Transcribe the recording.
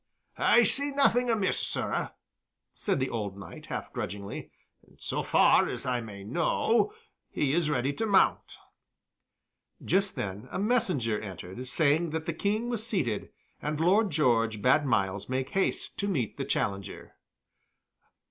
"I see nothing amiss, sirrah," said the old knight, half grudgingly. "So far as I may know, he is ready to mount." Just then a messenger entered, saying that the King was seated, and Lord George bade Myles make haste to meet the challenger.